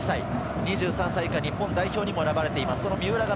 ２３歳以下日本代表にも選ばれています。